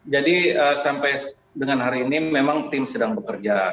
jadi sampai dengan hari ini memang tim sedang bekerja